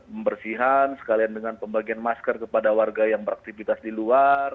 membersihan sekalian dengan pembagian masker kepada warga yang beraktivitas di luar